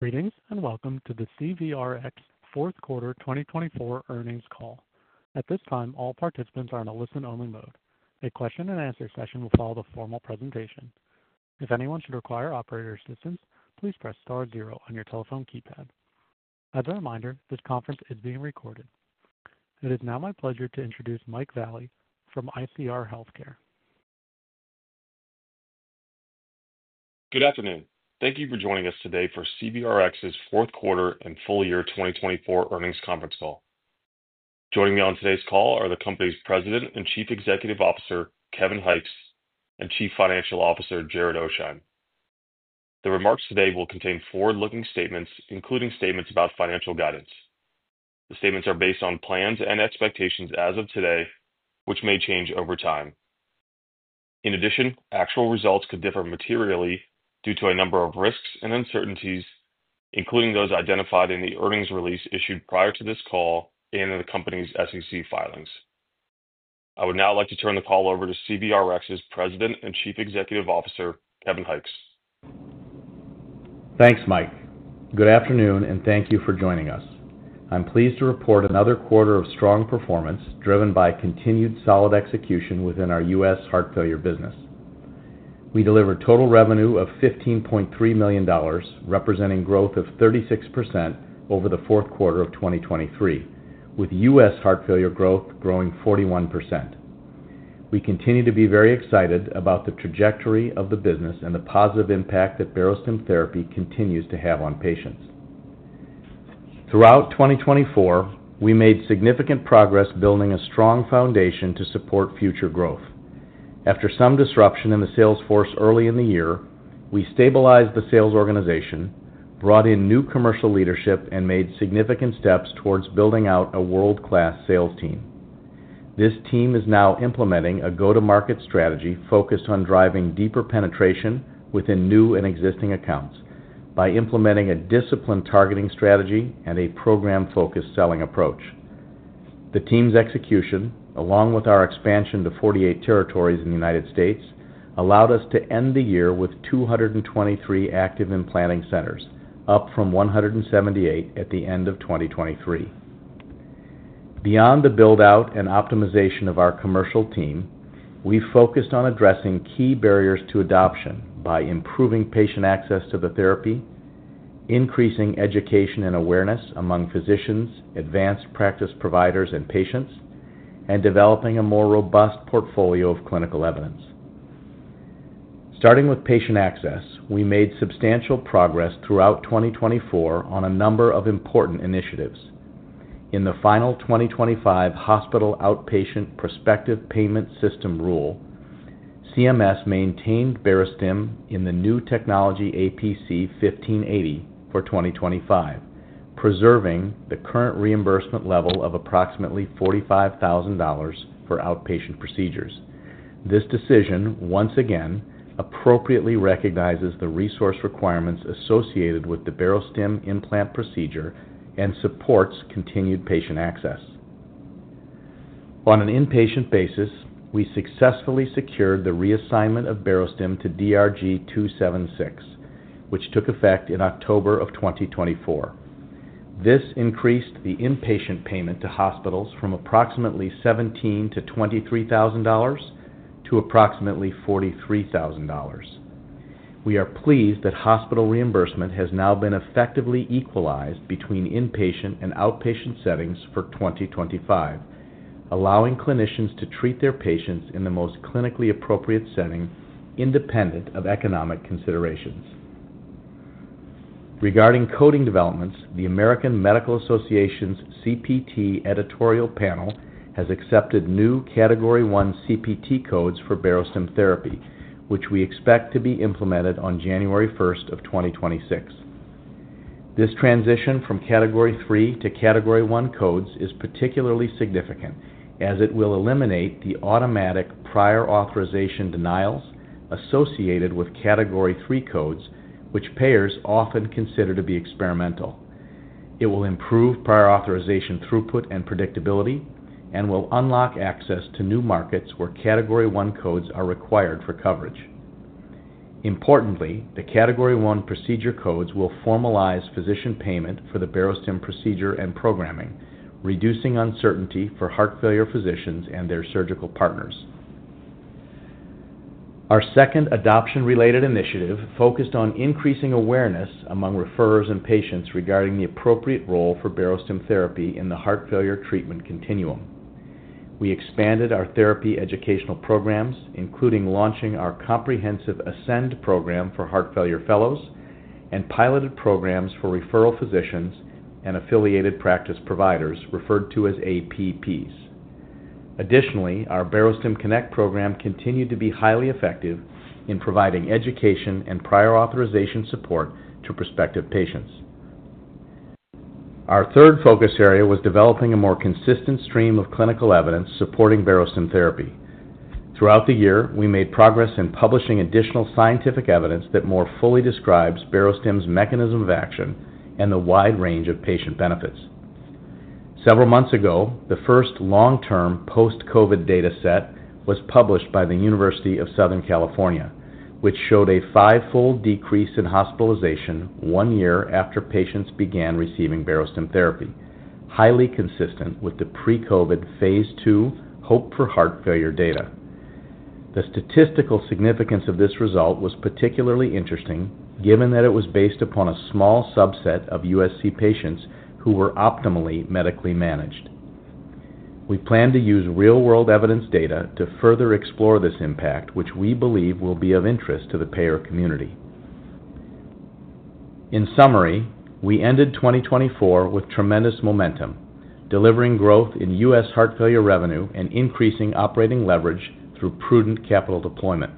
Greetings and welcome to the CVRx fourth quarter 2024 earnings call. At this time, all participants are in a listen-only mode. A question-and-answer session will follow the formal presentation. If anyone should require operator assistance, please press star zero on your telephone keypad. As a reminder, this conference is being recorded. It is now my pleasure to introduce Mike Vallie from ICR Healthcare. Good afternoon. Thank you for joining us today for CVRx's fourth quarter and full year 2024 earnings conference call. Joining me on today's call are the company's President and Chief Executive Officer, Kevin Hykes, and Chief Financial Officer, Jared Oasheim. The remarks today will contain forward-looking statements, including statements about financial guidance. The statements are based on plans and expectations as of today, which may change over time. In addition, actual results could differ materially due to a number of risks and uncertainties, including those identified in the earnings release issued prior to this call and in the company's SEC filings. I would now like to turn the call over to CVRx's President and Chief Executive Officer, Kevin Hykes. Thanks, Mike. Good afternoon, and thank you for joining us. I'm pleased to report another quarter of strong performance driven by continued solid execution within our U.S. heart failure business. We delivered total revenue of $15.3 million, representing growth of 36% over the fourth quarter of 2023, with U.S. heart failure growth growing 41%. We continue to be very excited about the trajectory of the business and the positive impact that Barostim Therapy continues to have on patients. Throughout 2024, we made significant progress building a strong foundation to support future growth. After some disruption in the sales force early in the year, we stabilized the sales organization, brought in new commercial leadership, and made significant steps towards building out a world-class sales team. This team is now implementing a go-to-market strategy focused on driving deeper penetration within new and existing accounts by implementing a discipline-targeting strategy and a program-focused selling approach. The team's execution, along with our expansion to 48 territories in the United States, allowed us to end the year with 223 active implanting centers, up from 178 at the end of 2023. Beyond the build-out and optimization of our commercial team, we focused on addressing key barriers to adoption by improving patient access to the therapy, increasing education and awareness among physicians, advanced practice providers, and patients, and developing a more robust portfolio of clinical evidence. Starting with patient access, we made substantial progress throughout 2024 on a number of important initiatives. In the final 2025 Hospital Outpatient Prospective Payment System rule, CMS maintained Barostim in the New Technology APC 1580 for 2025, preserving the current reimbursement level of approximately $45,000 for outpatient procedures. This decision, once again, appropriately recognizes the resource requirements associated with the Barostim implant procedure and supports continued patient access. On an inpatient basis, we successfully secured the reassignment of Barostim to DRG 276, which took effect in October of 2024. This increased the inpatient payment to hospitals from approximately $17,000 to $23,000 to approximately $43,000. We are pleased that hospital reimbursement has now been effectively equalized between inpatient and outpatient settings for 2025, allowing clinicians to treat their patients in the most clinically appropriate setting, independent of economic considerations. Regarding coding developments, the American Medical Association's CPT Editorial Panel has accepted new Category I CPT codes for Barostim Therapy, which we expect to be implemented on January 1st of 2026. This transition from Category III to Category I codes is particularly significant, as it will eliminate the automatic prior authorization denials associated with Category III codes, which payers often consider to be experimental. It will improve prior authorization throughput and predictability, and will unlock access to new markets where Category I codes are required for coverage. Importantly, the Category I procedure codes will formalize physician payment for the Barostim procedure and programming, reducing uncertainty for heart failure physicians and their surgical partners. Our second adoption-related initiative focused on increasing awareness among referrers and patients regarding the appropriate role for Barostim Therapy in the heart failure treatment continuum. We expanded our therapy educational programs, including launching our comprehensive ASCEND program for heart failure fellows and piloted programs for referral physicians and Affiliated Practice Providers, referred to as APPs. Additionally, our Barostim Connect program continued to be highly effective in providing education and prior authorization support to prospective patients. Our third focus area was developing a more consistent stream of clinical evidence supporting Barostim Therapy. Throughout the year, we made progress in publishing additional scientific evidence that more fully describes Barostim's mechanism of action and the wide range of patient benefits. Several months ago, the first long-term post-COVID data set was published by the University of Southern California, which showed a five-fold decrease in hospitalization one year after patients began receiving Barostim Therapy, highly consistent with the pre-COVID phase II HOPE4HF data. The statistical significance of this result was particularly interesting, given that it was based upon a small subset of USC patients who were optimally medically managed. We plan to use real-world evidence data to further explore this impact, which we believe will be of interest to the payer community. In summary, we ended 2024 with tremendous momentum, delivering growth in U.S. heart failure revenue and increasing operating leverage through prudent capital deployment.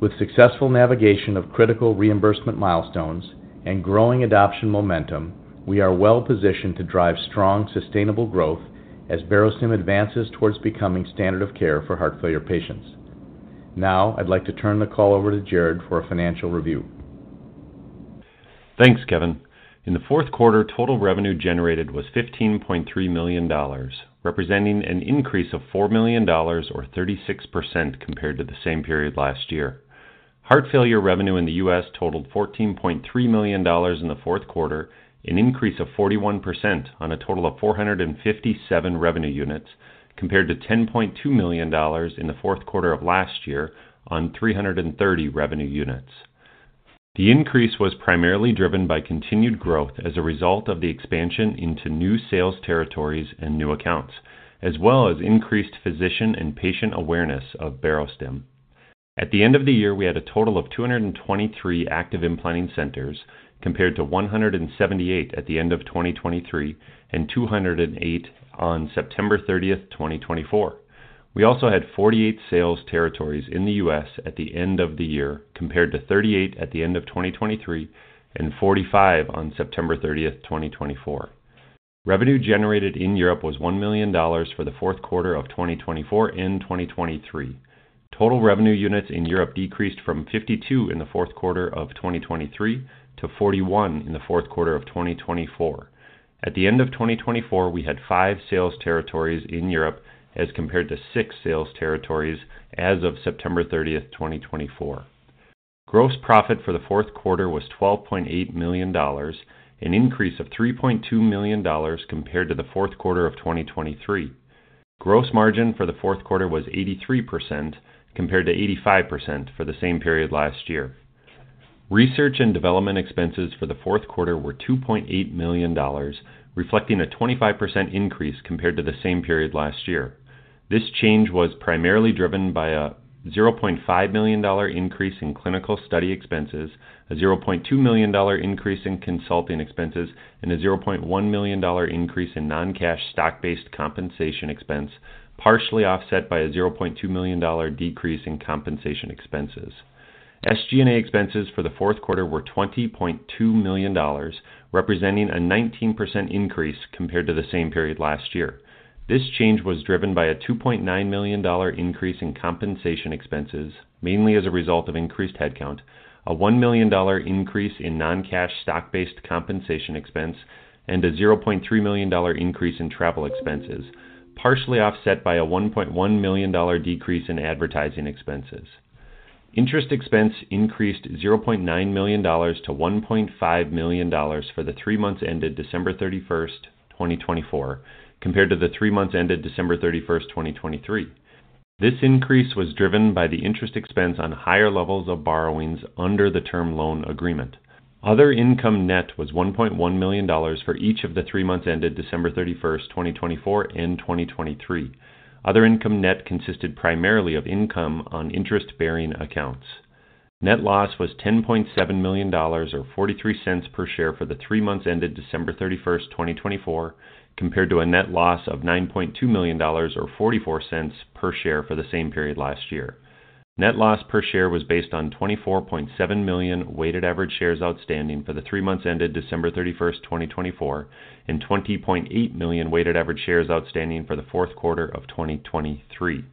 With successful navigation of critical reimbursement milestones and growing adoption momentum, we are well positioned to drive strong sustainable growth as Barostim advances towards becoming standard of care for heart failure patients. Now, I'd like to turn the call over to Jared for a financial review. Thanks, Kevin. In the fourth quarter, total revenue generated was $15.3 million, representing an increase of $4 million, or 36% compared to the same period last year. Heart failure revenue in the U.S. totaled $14.3 million in the fourth quarter, an increase of 41% on a total of 457 revenue units, compared to $10.2 million in the fourth quarter of last year on 330 revenue units. The increase was primarily driven by continued growth as a result of the expansion into new sales territories and new accounts, as well as increased physician and patient awareness of Barostim. At the end of the year, we had a total of 223 active implanting centers, compared to 178 at the end of 2023 and 208 on September 30th, 2024. We also had 48 sales territories in the U.S. At the end of the year, compared to 38 at the end of 2023 and 45 on September 30th, 2024. Revenue generated in Europe was $1 million for the fourth quarter of 2024 and 2023. Total revenue units in Europe decreased from 52 in the fourth quarter of 2023 to 41 in the fourth quarter of 2024. At the end of 2024, we had five sales territories in Europe as compared to six sales territories as of September 30th, 2024. Gross profit for the fourth quarter was $12.8 million, an increase of $3.2 million compared to the fourth quarter of 2023. Gross margin for the fourth quarter was 83% compared to 85% for the same period last year. Research and development expenses for the fourth quarter were $2.8 million, reflecting a 25% increase compared to the same period last year. This change was primarily driven by a $0.5 million increase in clinical study expenses, a $0.2 million increase in consulting expenses, and a $0.1 million increase in non-cash stock-based compensation expense, partially offset by a $0.2 million decrease in compensation expenses. SG&A expenses for the fourth quarter were $20.2 million, representing a 19% increase compared to the same period last year. This change was driven by a $2.9 million increase in compensation expenses, mainly as a result of increased headcount, a $1 million increase in non-cash stock-based compensation expense, and a $0.3 million increase in travel expenses, partially offset by a $1.1 million decrease in advertising expenses. Interest expense increased $0.9 million to $1.5 million for the three months ended December 31st, 2024, compared to the three months ended December 31st, 2023. This increase was driven by the interest expense on higher levels of borrowings under the term loan agreement. Other income net was $1.1 million for each of the three months ended December 31st, 2024, and 2023. Other income net consisted primarily of income on interest-bearing accounts. Net loss was $10.7 million, or $0.43 per share for the three months ended December 31st, 2024, compared to a net loss of $9.2 million, or $0.44 per share for the same period last year. Net loss per share was based on 24.7 million weighted average shares outstanding for the three months ended December 31st, 2024, and 20.8 million weighted average shares outstanding for the fourth quarter of 2023.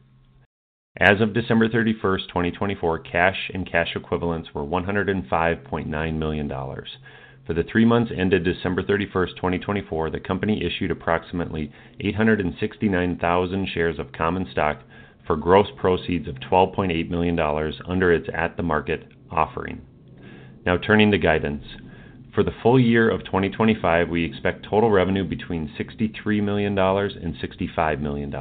As of December 31st, 2024, cash and cash equivalents were $105.9 million. For the three months ended December 31st, 2024, the company issued approximately 869,000 shares of common stock for gross proceeds of $12.8 million under its at-the-market offering. Now, turning to guidance. For the full year of 2025, we expect total revenue between $63-$65 million.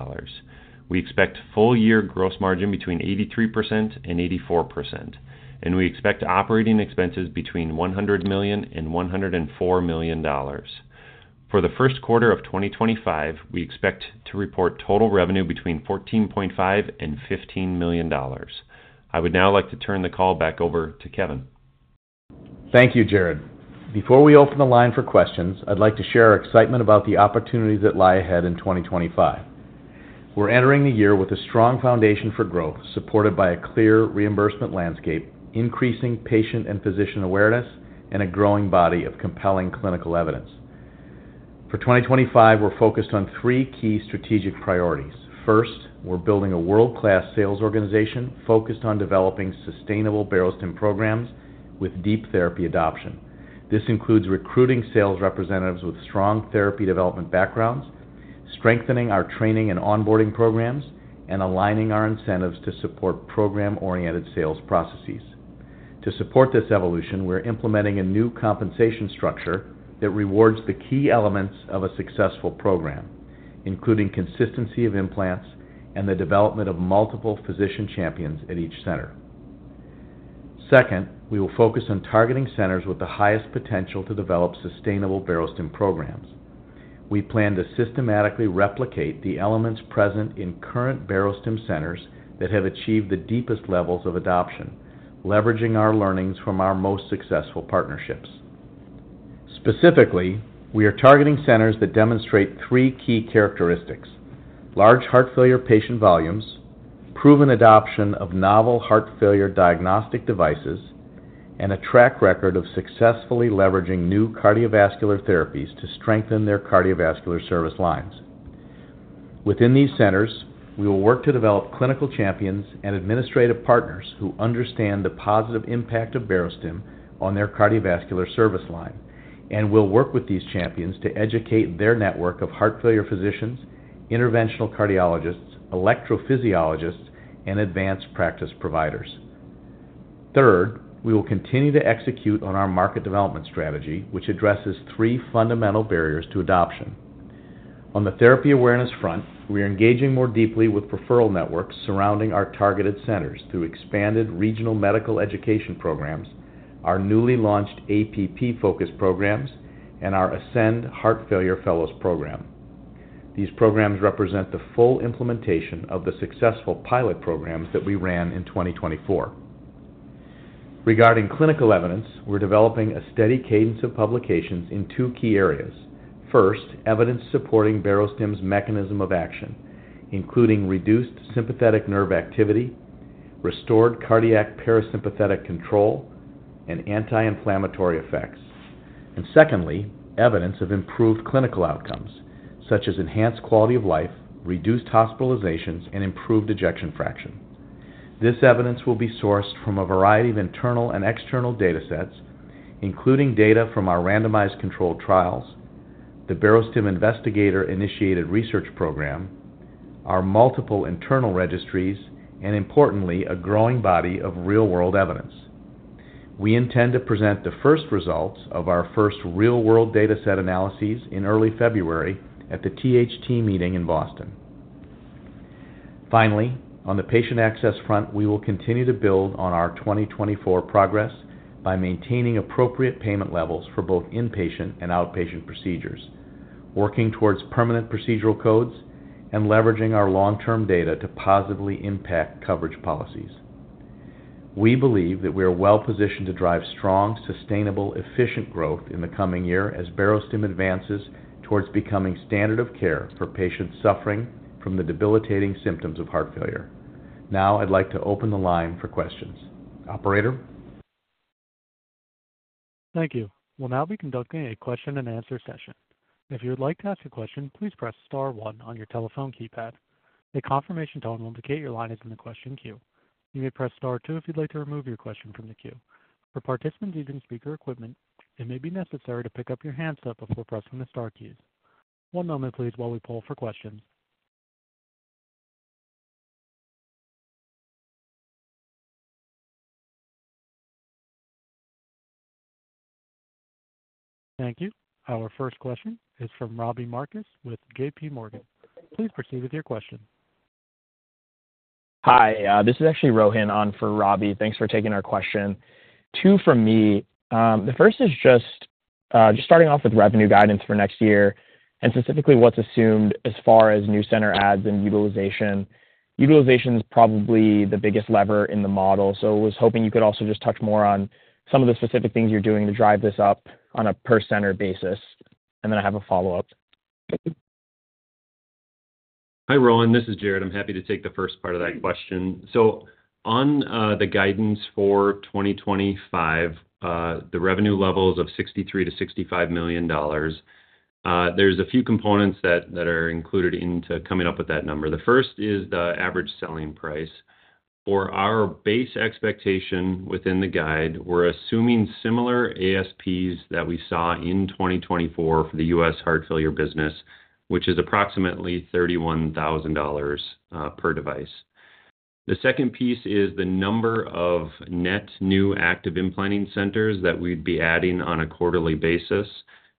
We expect full year gross margin between 83%-84%, and we expect operating expenses between $100-$104 million. For the first quarter of 2025, we expect to report total revenue between $14.5-$15 million. I would now like to turn the call back over to Kevin. Thank you, Jared. Before we open the line for questions, I'd like to share our excitement about the opportunities that lie ahead in 2025. We're entering the year with a strong foundation for growth supported by a clear reimbursement landscape, increasing patient and physician awareness, and a growing body of compelling clinical evidence. For 2025, we're focused on three key strategic priorities. First, we're building a world-class sales organization focused on developing sustainable Barostim programs with deep therapy adoption. This includes recruiting sales representatives with strong therapy development backgrounds, strengthening our training and onboarding programs, and aligning our incentives to support program-oriented sales processes. To support this evolution, we're implementing a new compensation structure that rewards the key elements of a successful program, including consistency of implants and the development of multiple physician champions at each center. Second, we will focus on targeting centers with the highest potential to develop sustainable Barostim programs. We plan to systematically replicate the elements present in current Barostim centers that have achieved the deepest levels of adoption, leveraging our learnings from our most successful partnerships. Specifically, we are targeting centers that demonstrate three key characteristics: large heart failure patient volumes, proven adoption of novel heart failure diagnostic devices, and a track record of successfully leveraging new cardiovascular therapies to strengthen their cardiovascular service lines. Within these centers, we will work to develop clinical champions and administrative partners who understand the positive impact of Barostim on their cardiovascular service line, and we'll work with these champions to educate their network of heart failure physicians, interventional cardiologists, electrophysiologists, and advanced practice providers. Third, we will continue to execute on our market development strategy, which addresses three fundamental barriers to adoption. On the therapy awareness front, we are engaging more deeply with referral networks surrounding our targeted centers through expanded regional medical education programs, our newly launched APP-focused programs, and our Ascend Heart Failure Fellows program. These programs represent the full implementation of the successful pilot programs that we ran in 2024. Regarding clinical evidence, we're developing a steady cadence of publications in two key areas. First, evidence supporting Barostim's mechanism of action, including reduced sympathetic nerve activity, restored cardiac parasympathetic control, and anti-inflammatory effects. And secondly, evidence of improved clinical outcomes, such as enhanced quality of life, reduced hospitalizations, and improved ejection fraction. This evidence will be sourced from a variety of internal and external data sets, including data from our randomized controlled trials, the Barostim Investigator-initiated research program, our multiple internal registries, and importantly, a growing body of real-world evidence. We intend to present the first results of our first real-world data set analyses in early February at the THT meeting in Boston. Finally, on the patient access front, we will continue to build on our 2024 progress by maintaining appropriate payment levels for both inpatient and outpatient procedures, working towards permanent procedural codes, and leveraging our long-term data to positively impact coverage policies. We believe that we are well positioned to drive strong, sustainable, efficient growth in the coming year as Barostim advances towards becoming standard of care for patients suffering from the debilitating symptoms of heart failure. Now, I'd like to open the line for questions. Operator. Thank you. We'll now be conducting a question-and-answer session. If you would like to ask a question, please press Star one on your telephone keypad. A confirmation tone will indicate your line is in the question queue. You may press Star two if you'd like to remove your question from the queue. For participants using speaker equipment, it may be necessary to pick up your handset before pressing the Star keys. One moment, please, while we poll for questions. Thank you. Our first question is from Robbie Marcus with JPMorgan. Please proceed with your question. Hi. This is actually Rohin on for Robbie. Thanks for taking our question. Two from me. The first is just starting off with revenue guidance for next year and specifically what's assumed as far as new center adds and utilization. Utilization is probably the biggest lever in the model, so I was hoping you could also just touch more on some of the specific things you're doing to drive this up on a per-center basis. And then I have a follow-up. Hi, Rohin. This is Jared. I'm happy to take the first part of that question. So on the guidance for 2025, the revenue levels of $63-$65 million, there's a few components that are included into coming up with that number. The first is the average selling price. For our base expectation within the guide, we're assuming similar ASPs that we saw in 2024 for the U.S. heart failure business, which is approximately $31,000 per device. The second piece is the number of net new active implanting centers that we'd be adding on a quarterly basis.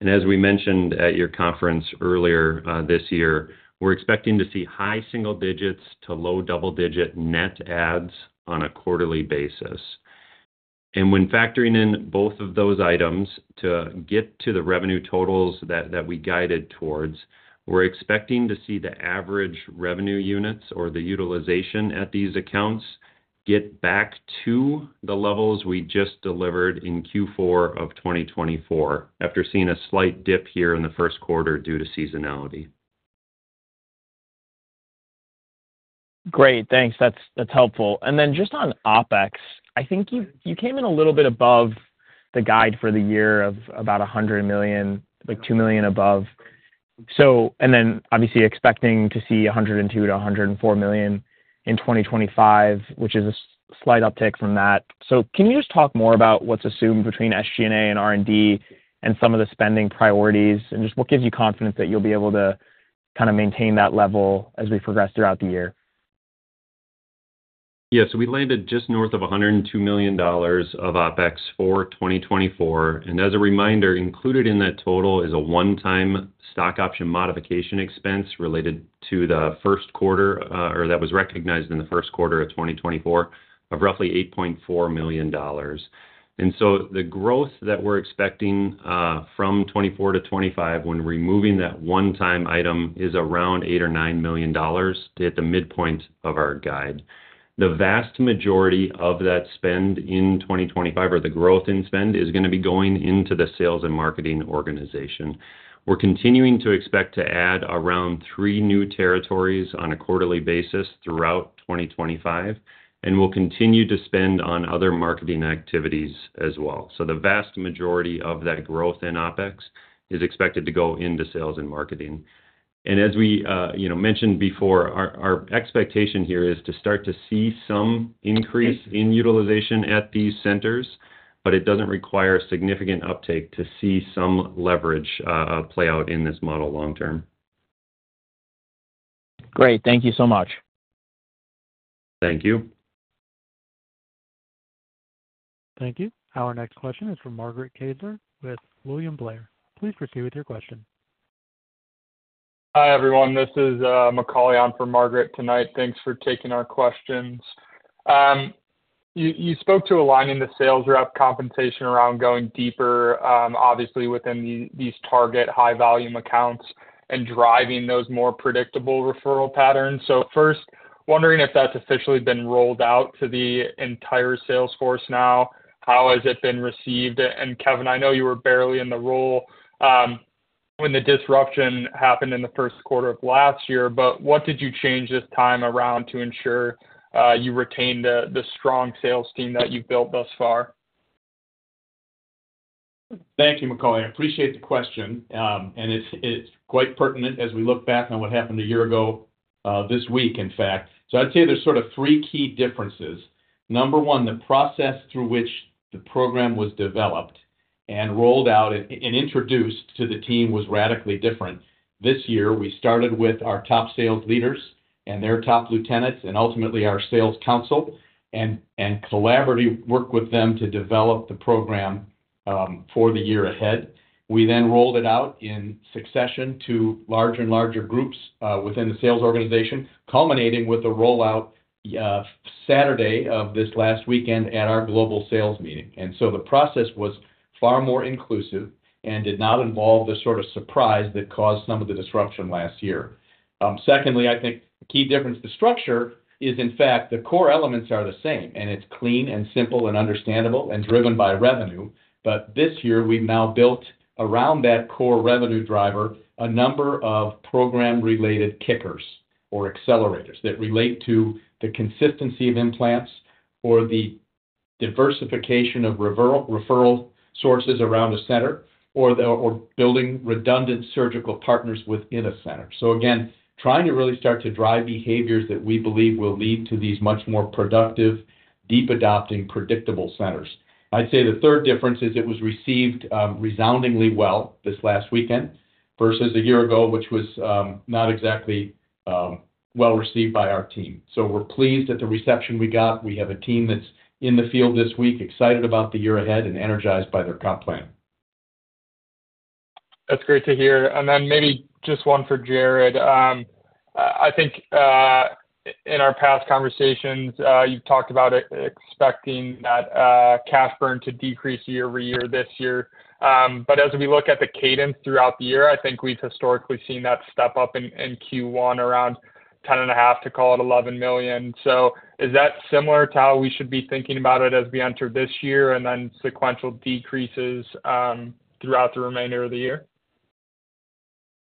And as we mentioned at your conference earlier this year, we're expecting to see high single-digits to low double-digit net adds on a quarterly basis. When factoring in both of those items to get to the revenue totals that we guided towards, we're expecting to see the average revenue units or the utilization at these accounts get back to the levels we just delivered in Q4 of 2024 after seeing a slight dip here in the first quarter due to seasonality. Great. Thanks. That's helpful. And then just on OpEx, I think you came in a little bit above the guide for the year of about $100 million, like $2 million above. And then, obviously, expecting to see $102-$104 million in 2025, which is a slight uptick from that. So can you just talk more about what's assumed between SG&A and R&D and some of the spending priorities and just what gives you confidence that you'll be able to kind of maintain that level as we progress throughout the year? Yeah. So we landed just north of $102 million of OpEx for 2024. And as a reminder, included in that total is a one-time stock option modification expense related to the first quarter or that was recognized in the first quarter of 2024 of roughly $8.4 million. And so the growth that we're expecting from 2024 to 2025 when removing that one-time item is around $8 or $9 million at the midpoint of our guide. The vast majority of that spend in 2025 or the growth in spend is going to be going into the sales and marketing organization. We're continuing to expect to add around three new territories on a quarterly basis throughout 2025, and we'll continue to spend on other marketing activities as well. So the vast majority of that growth in OpEx is expected to go into sales and marketing. As we mentioned before, our expectation here is to start to see some increase in utilization at these centers, but it doesn't require a significant uptake to see some leverage play out in this model long-term. Great. Thank you so much. Thank you. Thank you. Our next question is from Margaret Kaczor with William Blair. Please proceed with your question. Hi, everyone. This is Macauley on for Margaret tonight. Thanks for taking our questions. You spoke to aligning the sales rep compensation around going deeper, obviously, within these target high-volume accounts and driving those more predictable referral patterns. So first, wondering if that's officially been rolled out to the entire salesforce now. How has it been received? And Kevin, I know you were barely in the role when the disruption happened in the first quarter of last year, but what did you change this time around to ensure you retained the strong sales team that you've built thus far? Thank you, Macauley. I appreciate the question, and it's quite pertinent as we look back on what happened a year ago this week, in fact, so I'd say there's sort of three key differences. Number one, the process through which the program was developed and rolled out and introduced to the team was radically different. This year, we started with our top sales leaders and their top lieutenants and ultimately our sales council and collaborative work with them to develop the program for the year ahead. We then rolled it out in succession to larger and larger groups within the sales organization, culminating with a rollout Saturday of this last weekend at our global sales meeting, and so the process was far more inclusive and did not involve the sort of surprise that caused some of the disruption last year. Secondly, I think the key difference, the structure is, in fact, the core elements are the same, and it's clean and simple and understandable and driven by revenue. But this year, we've now built around that core revenue driver a number of program-related kickers or accelerators that relate to the consistency of implants or the diversification of referral sources around a center or building redundant surgical partners within a center. So again, trying to really start to drive behaviors that we believe will lead to these much more productive, deep-adopting, predictable centers. I'd say the third difference is it was received resoundingly well this last weekend versus a year ago, which was not exactly well received by our team. So we're pleased at the reception we got. We have a team that's in the field this week, excited about the year ahead, and energized by their comp plan. That's great to hear. And then maybe just one for Jared. I think in our past conversations, you've talked about expecting that cash burn to decrease year over year this year. But as we look at the cadence throughout the year, I think we've historically seen that step up in Q1 around $10.5-$11 million. So is that similar to how we should be thinking about it as we enter this year and then sequential decreases throughout the remainder of the year?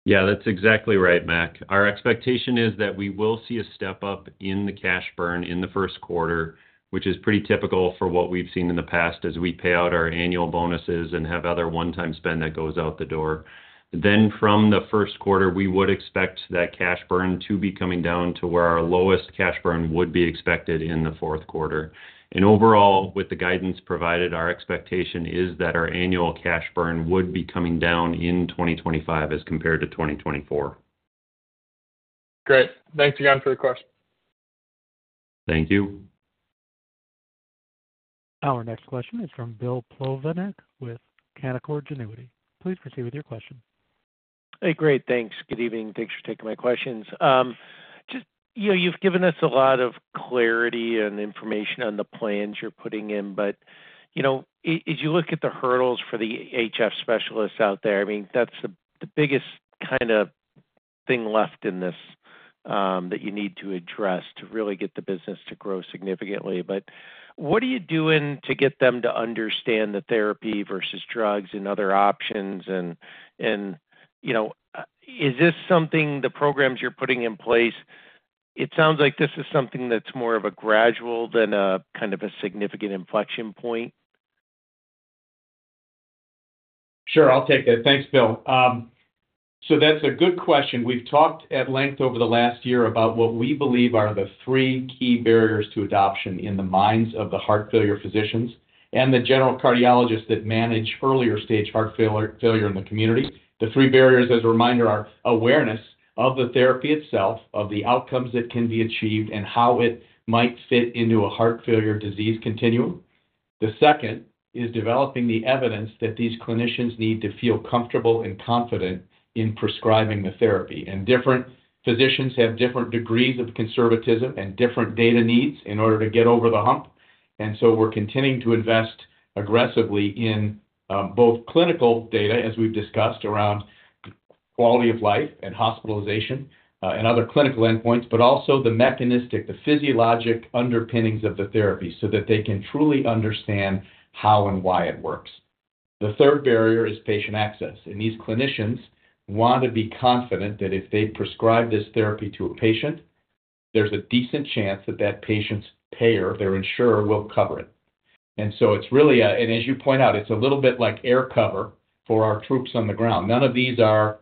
Yeah, that's exactly right, Mac. Our expectation is that we will see a step up in the cash burn in the first quarter, which is pretty typical for what we've seen in the past as we pay out our annual bonuses and have other one-time spend that goes out the door. Then from the first quarter, we would expect that cash burn to be coming down to where our lowest cash burn would be expected in the fourth quarter, and overall, with the guidance provided, our expectation is that our annual cash burn would be coming down in 2025 as compared to 2024. Great. Thanks again for the question. Thank you. Our next question is from Bill Plovanic with Canaccord Genuity. Please proceed with your question. Hey, great. Thanks. Good evening. Thanks for taking my questions. You've given us a lot of clarity and information on the plans you're putting in, but as you look at the hurdles for the HF specialists out there, I mean, that's the biggest kind of thing left in this that you need to address to really get the business to grow significantly. But what are you doing to get them to understand the therapy versus drugs and other options? And is this something the programs you're putting in place? It sounds like this is something that's more of a gradual than a kind of a significant inflection point. Sure. I'll take it. Thanks, Bill. So that's a good question. We've talked at length over the last year about what we believe are the three key barriers to adoption in the minds of the heart failure physicians and the general cardiologists that manage earlier stage heart failure in the community. The three barriers, as a reminder, are awareness of the therapy itself, of the outcomes that can be achieved, and how it might fit into a heart failure disease continuum. The second is developing the evidence that these clinicians need to feel comfortable and confident in prescribing the therapy, and different physicians have different degrees of conservatism and different data needs in order to get over the hump. And so we're continuing to invest aggressively in both clinical data, as we've discussed, around quality of life and hospitalization and other clinical endpoints, but also the mechanistic, the physiologic underpinnings of the therapy so that they can truly understand how and why it works. The third barrier is patient access. And these clinicians want to be confident that if they prescribe this therapy to a patient, there's a decent chance that that patient's payer, their insurer, will cover it. And so it's really a, and as you point out, it's a little bit like air cover for our troops on the ground. None of these are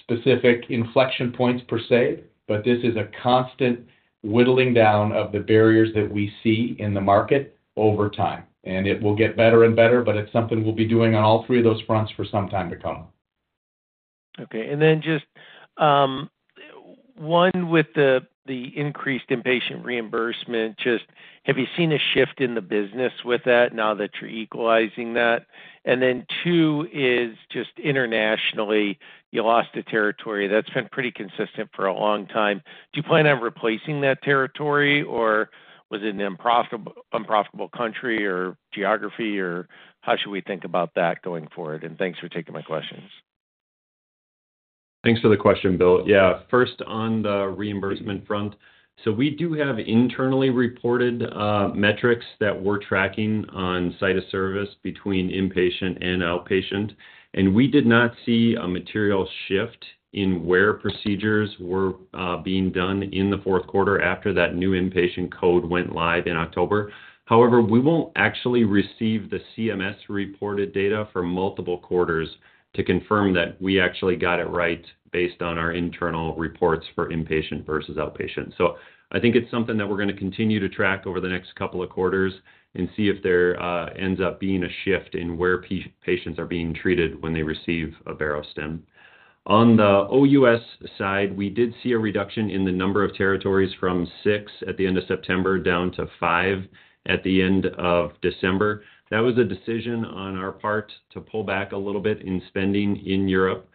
specific inflection points per se, but this is a constant whittling down of the barriers that we see in the market over time. It will get better and better, but it's something we'll be doing on all three of those fronts for some time to come. Okay. And then just one with the increased inpatient reimbursement, just have you seen a shift in the business with that now that you're equalizing that? And then two is just internationally, you lost a territory. That's been pretty consistent for a long time. Do you plan on replacing that territory, or was it an unprofitable country or geography, or how should we think about that going forward? And thanks for taking my questions. Thanks for the question, Bill. Yeah. First, on the reimbursement front, so we do have internally reported metrics that we're tracking on site of service between inpatient and outpatient. And we did not see a material shift in where procedures were being done in the fourth quarter after that new inpatient code went live in October. However, we won't actually receive the CMS-reported data for multiple quarters to confirm that we actually got it right based on our internal reports for inpatient versus outpatient. So I think it's something that we're going to continue to track over the next couple of quarters and see if there ends up being a shift in where patients are being treated when they receive a Barostim. On the OUS side, we did see a reduction in the number of territories from six at the end of September down to five at the end of December. That was a decision on our part to pull back a little bit in spending in Europe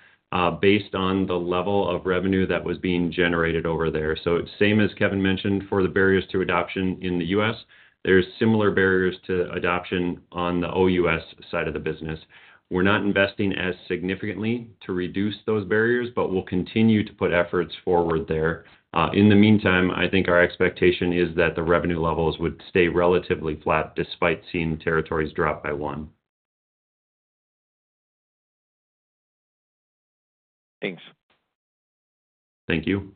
based on the level of revenue that was being generated over there. So same as Kevin mentioned for the barriers to adoption in the U.S., there are similar barriers to adoption on the OUS side of the business. We're not investing as significantly to reduce those barriers, but we'll continue to put efforts forward there. In the meantime, I think our expectation is that the revenue levels would stay relatively flat despite seeing territories drop by one. Thanks. Thank you.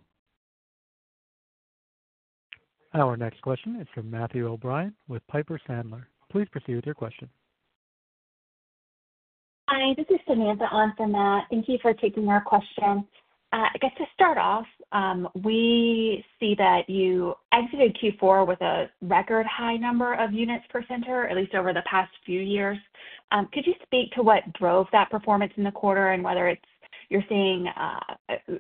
Our next question is from Matthew O'Brien with Piper Sandler. Please proceed with your question. Hi. This is Samantha on for Matt. Thank you for taking our question. I guess to start off, we see that you exited Q4 with a record high number of units per center, at least over the past few years. Could you speak to what drove that performance in the quarter and whether you're seeing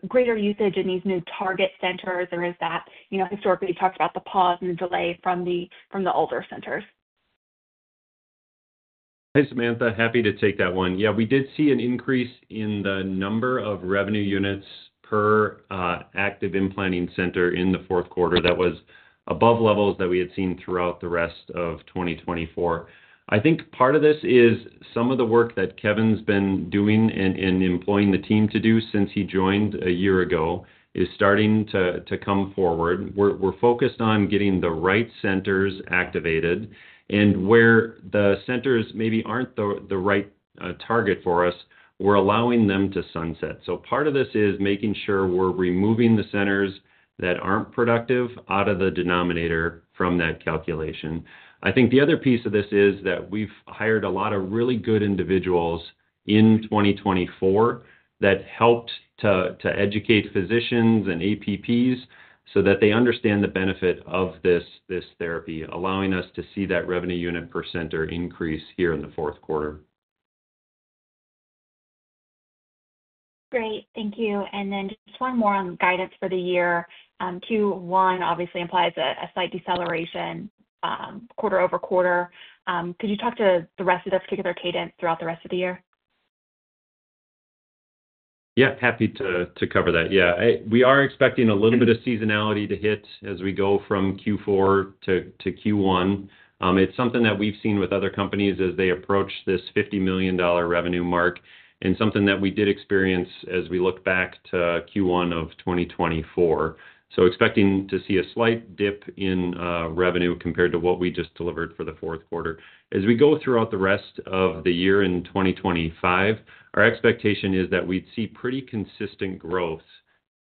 greater usage in these new target centers, or is that historically you talked about the pause and delay from the older centers? Hey, Samantha. Happy to take that one. Yeah, we did see an increase in the number of revenue units per active implanting center in the fourth quarter that was above levels that we had seen throughout the rest of 2024. I think part of this is some of the work that Kevin's been doing and employing the team to do since he joined a year ago is starting to come forward. We're focused on getting the right centers activated, and where the centers maybe aren't the right target for us, we're allowing them to sunset. So part of this is making sure we're removing the centers that aren't productive out of the denominator from that calculation. I think the other piece of this is that we've hired a lot of really good individuals in 2024 that helped to educate physicians and APPs so that they understand the benefit of this therapy, allowing us to see that revenue unit per center increase here in the fourth quarter. Great. Thank you. And then just one more on guidance for the year. Q1 obviously implies a slight deceleration quarter over quarter. Could you talk to the rest of the particular cadence throughout the rest of the year? Yeah, happy to cover that. Yeah. We are expecting a little bit of seasonality to hit as we go from Q4 to Q1. It's something that we've seen with other companies as they approach this $50 million revenue mark and something that we did experience as we look back to Q1 of 2024. So expecting to see a slight dip in revenue compared to what we just delivered for the fourth quarter. As we go throughout the rest of the year in 2025, our expectation is that we'd see pretty consistent growth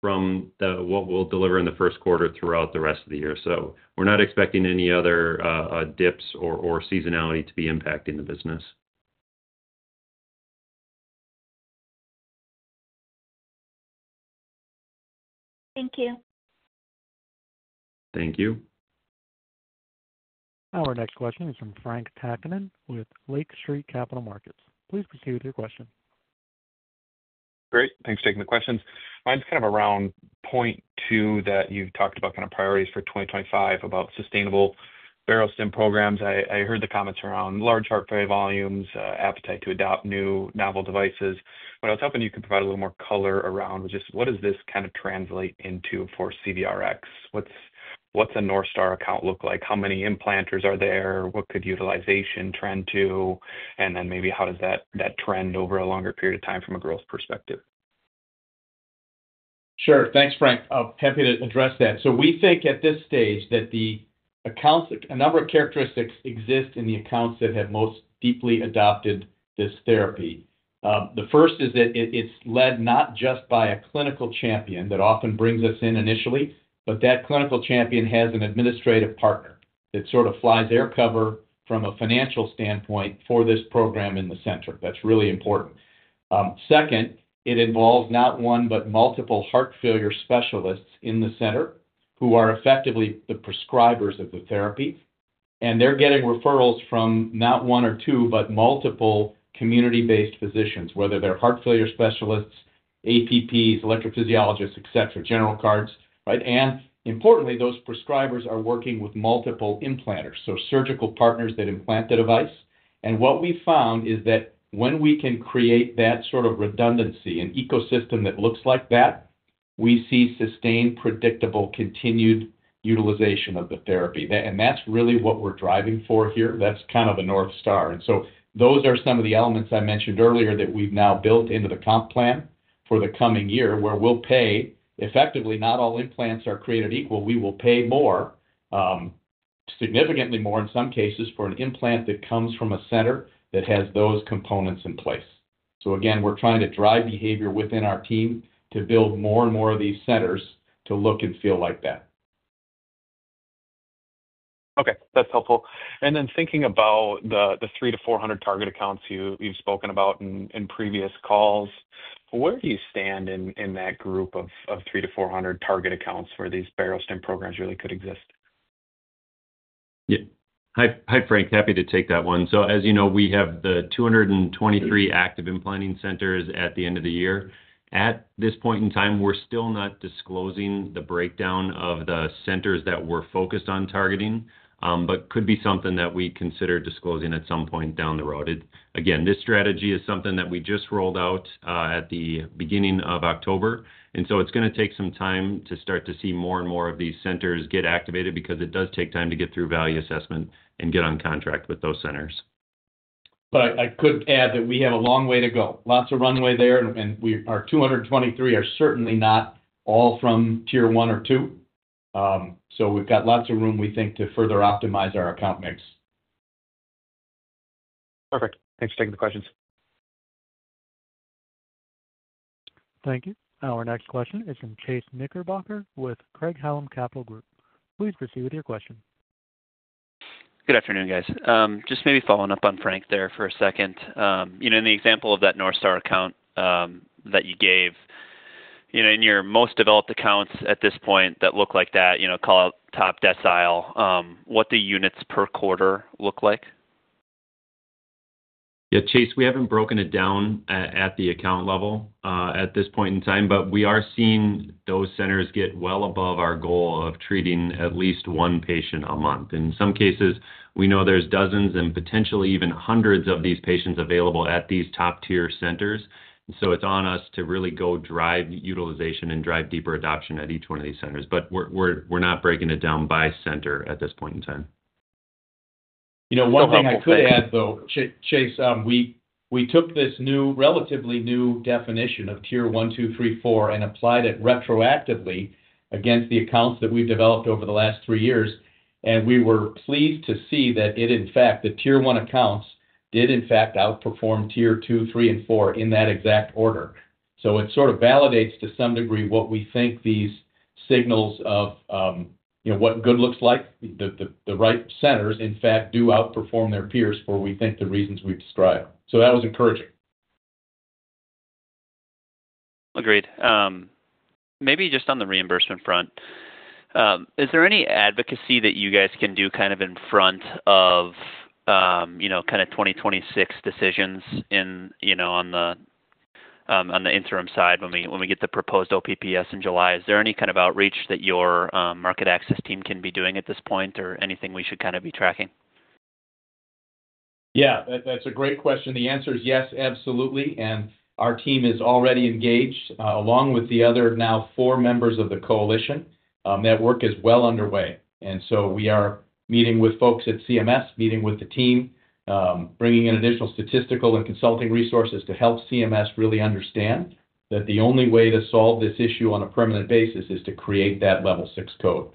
from what we'll deliver in the first quarter throughout the rest of the year. So we're not expecting any other dips or seasonality to be impacting the business. Thank you. Thank you. Our next question is from Frank Takkinen with Lake Street Capital Markets. Please proceed with your question. Great. Thanks for taking the questions. Mine's kind of around point two that you've talked about kind of priorities for 2025 about sustainable Barostim programs. I heard the comments around large heart failure volumes, appetite to adopt new novel devices. But I was hoping you could provide a little more color around just what does this kind of translate into for CVRx? What's a Northstar account look like? How many implanters are there? What could utilization trend to? And then maybe how does that trend over a longer period of time from a growth perspective? Sure. Thanks, Frank. I'm happy to address that. So we think at this stage that a number of characteristics exist in the accounts that have most deeply adopted this therapy. The first is that it's led not just by a clinical champion that often brings us in initially, but that clinical champion has an administrative partner that sort of flies air cover from a financial standpoint for this program in the center. That's really important. Second, it involves not one but multiple heart failure specialists in the center who are effectively the prescribers of the therapy. And they're getting referrals from not one or two, but multiple community-based physicians, whether they're heart failure specialists, APPs, electrophysiologists, et cetera., general cards, right? And importantly, those prescribers are working with multiple implanters, so surgical partners that implant the device. What we found is that when we can create that sort of redundancy and ecosystem that looks like that, we see sustained, predictable, continued utilization of the therapy. That's really what we're driving for here. That's kind of a Northstar. So those are some of the elements I mentioned earlier that we've now built into the comp plan for the coming year, where we'll pay effectively, not all implants are created equal. We will pay more, significantly more in some cases for an implant that comes from a center that has those components in place. So again, we're trying to drive behavior within our team to build more and more of these centers to look and feel like that. Okay. That's helpful. And then thinking about the 300 to 400 target accounts you've spoken about in previous calls, where do you stand in that group of 300 to 400 target accounts where these Barostim programs really could exist? Yeah. Hi, Frank. Happy to take that one. So as you know, we have the 223 active implanting centers at the end of the year. At this point in time, we're still not disclosing the breakdown of the centers that we're focused on targeting, but could be something that we consider disclosing at some point down the road. Again, this strategy is something that we just rolled out at the beginning of October. And so it's going to take some time to start to see more and more of these centers get activated because it does take time to get through value assessment and get on contract with those centers. But I could add that we have a long way to go. Lots of runway there. And our 223 are certainly not all from tier one or two. So we've got lots of room, we think, to further optimize our account mix. Perfect. Thanks for taking the questions. Thank you. Our next question is from Chase Knickerbocker with Craig-Hallum Capital Group. Please proceed with your question. Good afternoon, guys. Just maybe following up on Frank there for a second. In the example of that Northstar account that you gave, in your most developed accounts at this point that look like that, call it top decile, what do units per quarter look like? Yeah, Chase, we haven't broken it down at the account level at this point in time, but we are seeing those centers get well above our goal of treating at least one patient a month. In some cases, we know there's dozens and potentially even hundreds of these patients available at these top-tier centers. And so it's on us to really go drive utilization and drive deeper adoption at each one of these centers. But we're not breaking it down by center at this point in time. One thing I could add, though, Chase, we took this relatively new definition of tier one, two, three, four and applied it retroactively against the accounts that we've developed over the last three years, and we were pleased to see that, in fact, the tier one accounts did, in fact, outperform tier two, three, and four in that exact order, so it sort of validates to some degree what we think these signals of what good looks like, the right centers, in fact, do outperform their peers for, we think, the reasons we've described, so that was encouraging. Agreed. Maybe just on the reimbursement front, is there any advocacy that you guys can do kind of in front of kind of 2026 decisions on the interim side when we get the proposed OPPS in July? Is there any kind of outreach that your market access team can be doing at this point or anything we should kind of be tracking? Yeah, that's a great question. The answer is yes, absolutely, and our team is already engaged along with the other now four members of the coalition. That work is well underway, and so we are meeting with folks at CMS, meeting with the team, bringing in additional statistical and consulting resources to help CMS really understand that the only way to solve this issue on a permanent basis is to create that level six code,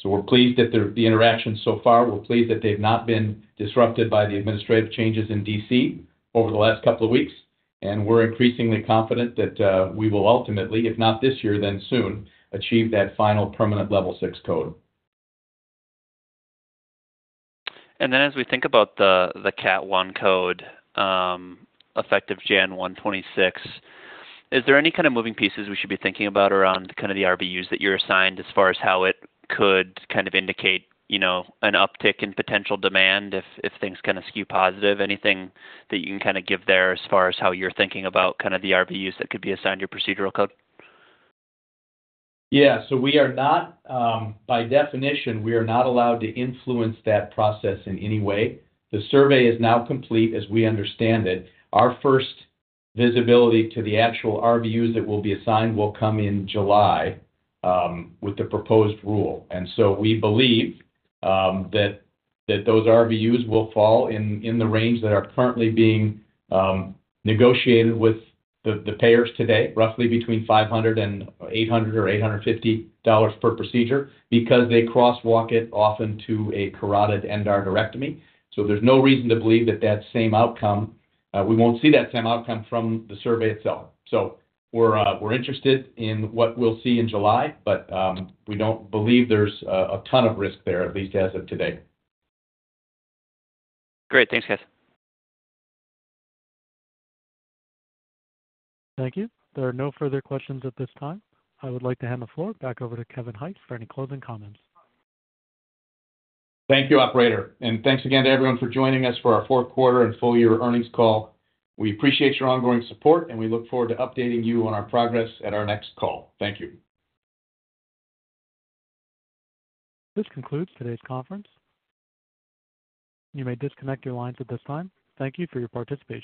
so we're pleased that the interaction so far. We're pleased that they've not been disrupted by the administrative changes in DC over the last couple of weeks, and we're increasingly confident that we will ultimately, if not this year, then soon, achieve that final permanent level six code. Then as we think about the Category I code effective January 1, 2026, is there any kind of moving parts we should be thinking about around kind of the RVUs that you're assigned as far as how it could kind of indicate an uptick in potential demand if things kind of skew positive? Anything that you can kind of give there as far as how you're thinking about kind of the RVUs that could be assigned your procedural code? Yeah. So by definition, we are not allowed to influence that process in any way. The survey is now complete as we understand it. Our first visibility to the actual RVUs that will be assigned will come in July with the proposed rule. And so we believe that those RVUs will fall in the range that are currently being negotiated with the payers today, roughly between $500 and $800 or $850 dollars per procedure because they crosswalk it often to a carotid endarterectomy. So there's no reason to believe that we won't see that same outcome from the survey itself. So we're interested in what we'll see in July, but we don't believe there's a ton of risk there, at least as of today. Great. Thanks, guys. Thank you. There are no further questions at this time. I would like to hand the floor back over to Kevin Hykes for any closing comments. Thank you, Operator. And thanks again to everyone for joining us for our fourth quarter and full year earnings call. We appreciate your ongoing support, and we look forward to updating you on our progress at our next call. Thank you. This concludes today's conference. You may disconnect your lines at this time. Thank you for your participation.